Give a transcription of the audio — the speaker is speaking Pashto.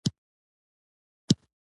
یهودیان بیا په دې باور دي.